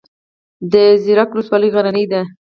د زیروک ولسوالۍ غرنۍ ده